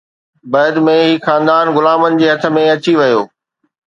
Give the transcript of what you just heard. بعد ۾ هي خاندان غلامن جي هٿ ۾ اچي ويو